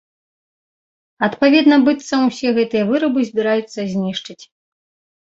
Адпаведна, быццам, усе гэтыя вырабы збіраюцца знішчыць.